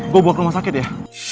gue bawa ke rumah sakit ya